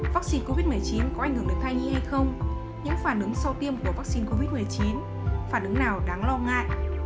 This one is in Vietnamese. vaccine covid một mươi chín có ảnh hưởng đến thai nhi hay không những phản ứng sau tiêm của vaccine covid một mươi chín phản ứng nào đáng lo ngại